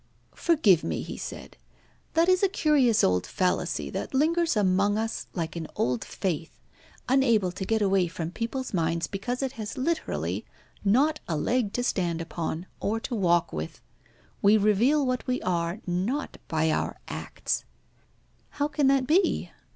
"Forgive me," he said. "That is a curious old fallacy that lingers among us like an old faith, unable to get away from people's minds because it has literally not a leg to stand upon, or to walk with. We reveal what we are not by our acts." "How can that be?